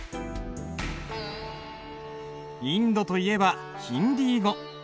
インドといえばヒンディー語。